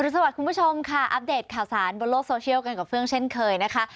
สวัสดีคุณผู้ชมค่ะอัปเดตข่าวสารบนโลกโซเชียลกันกับเฟื่องเช่นเคยนะคะ